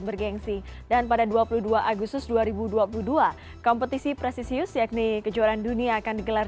bergensi dan pada dua puluh dua agustus dua ribu dua puluh dua kompetisi presisius yakni kejuaraan dunia akan digelar